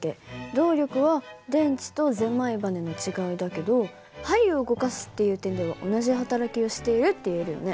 動力は電池とぜんまいバネの違いだけど針を動かすっていう点では同じ働きをしているっていえるよね。